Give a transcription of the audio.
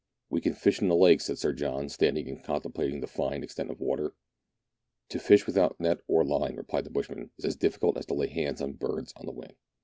" We can fish in the lake," said Sir John, standing and contemplating the fine extent of water. *' To fish without net or line," replied the bushman, "is as difficult as to lay hands on birds on the wing.